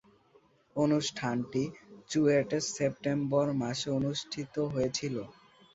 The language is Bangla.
অনুষ্ঠানটি চুয়েটে সেপ্টেম্বর মাসে অনুষ্ঠিত হয়েছিলো।